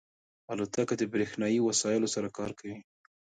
الوتکه د بریښنایی وسایلو سره کار کوي.